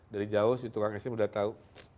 dari jauh si tukang es krim udah tahu